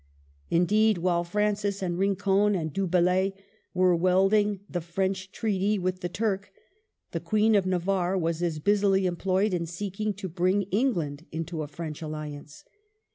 Indeed, while Francis and Rincon and Du Bellay were welding the French treaty with the Turk, the Queen of Navarre was as busily employed in seeking to bring England into a French alliance.